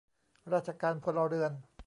ราชการพลเรือน